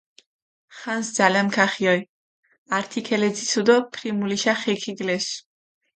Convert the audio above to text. ხანს ძალამქ ახიოლ, ართი ქელეძიცუ დო ფრიმულიშა ხე ქიგლესუ.